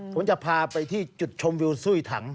ผมจะพาไปที่จุดชมวิวซุ้ยถัง